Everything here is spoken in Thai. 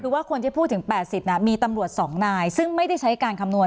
หรือว่าควรจะพูดถึงแปดสิบนะมีตำรวจสองนายซึ่งไม่ได้ใช้การคำนวณ